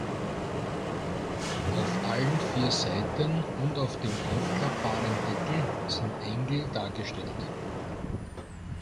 Auf allen vier Seiten und auf dem aufklappbaren Deckel sind Engel dargestellt.